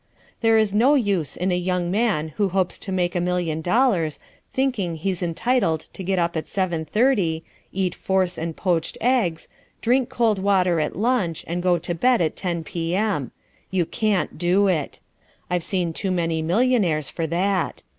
There is no use in a young man who hopes to make a million dollars thinking he's entitled to get up at 7.30, eat force and poached eggs, drink cold water at lunch, and go to bed at 10 p.m. You can't do it. I've seen too many millionaires for that.